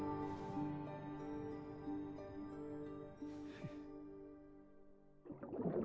フッ。